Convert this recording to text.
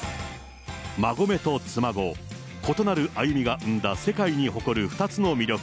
馬籠と妻籠、異なる歩みが生んだ、世界に誇る２つの魅力。